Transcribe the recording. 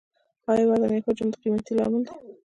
آیا وزن یا حجم د قیمتۍ لامل دی؟